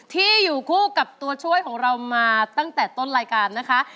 ที่อยู่คู่กับตัวช่วยของเรามาตั้งแต่ต้นรายการนะคะ